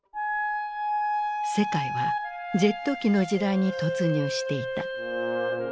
世界はジェット機の時代に突入していた。